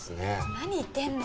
何言ってんの？